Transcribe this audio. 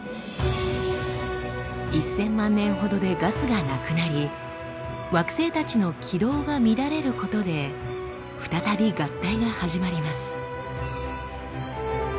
１，０００万年ほどでガスがなくなり惑星たちの軌道が乱れることで再び合体が始まります。